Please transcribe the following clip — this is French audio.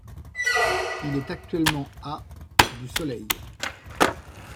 Il est actuellement à du Soleil.